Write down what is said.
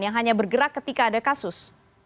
yang hanya bergerak ketika ada kasus